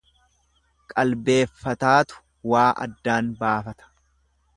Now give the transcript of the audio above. Qalbeeffataatu waa addaan baafata.